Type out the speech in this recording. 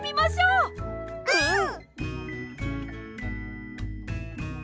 うん！